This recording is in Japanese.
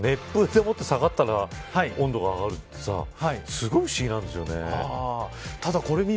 だって５度のものが熱風でもっと下がったら温度が上がるってさすごい不思議なんですよね。